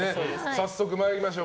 早速参りましょう。